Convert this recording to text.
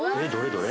どれ？